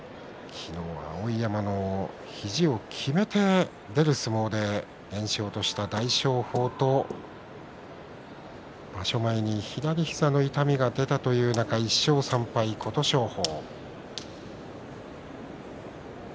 昨日は碧山の肘をきめて出る相撲で連勝とした大翔鵬と場所前に左膝の痛みが出たという中で１勝３敗の琴勝峰。